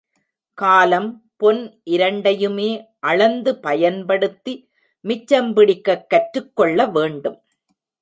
காலம், பொன் இரண்டையுமே அளந்து பயன்படுத்தி மிச்சம் பிடிக்கக் கற்றுக் கொள்ள வேண்டும்.